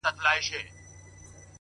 زما یقین دی خدای ته نه دی د منلو -